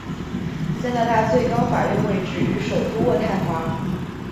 加拿大最高法院位置于首都渥太华。